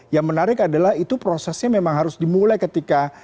yang menarik adalah itu prosesnya memang harus dimulai ketika